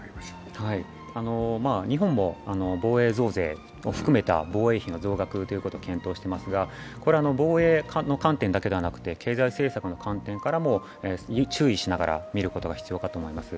日本も防衛増税を含めた防衛費の増額を検討していますが防衛の観点だけではなくて経済政策の観点からも注意しながら見ることが必要だと思います。